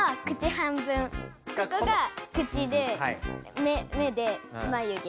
ここが口で目でまゆ毛。